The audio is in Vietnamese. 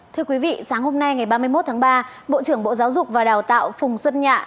thưa quý vị sáng hôm nay ngày ba mươi một tháng ba bộ trưởng bộ giáo dục và đào tạo phùng xuân nhạ